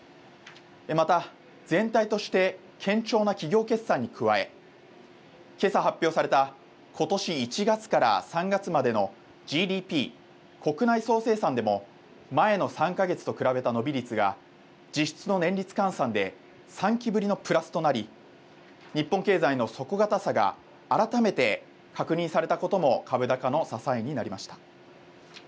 また全体として堅調な企業決算に加え、けさ発表されたことし１月から３月までのＧＤＰ・国内総生産でも前の３か月と比べた伸び率が実質の年率換算で３期ぶりのプラスとなり日本経済の底堅さが改めて確認されたことも株高の支えになりました。